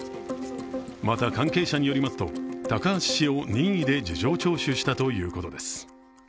また、関係者によりますと、高橋氏を任意で事情聴取したということです。